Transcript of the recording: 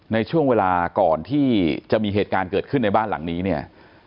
ในช่วงเวลาก่อนที่จะมีเหตุการณ์เกิดขึ้นในบ้านหลังนี้เนี่ย